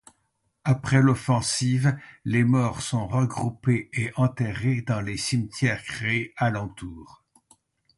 Après l'offensive, les morts sont regroupés et enterrés dans les cimetières créés alentours.